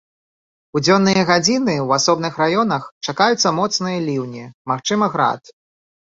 У дзённыя гадзіны ў асобных раёнах чакаюцца моцныя ліўні, магчымы град.